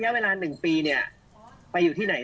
เจ้าที่ตำรวจเนี่ยไม่ได้มีการ